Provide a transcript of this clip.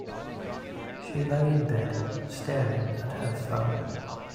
She lay in bed, staring at her phone.